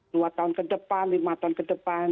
dua tahun kedepan lima tahun kedepan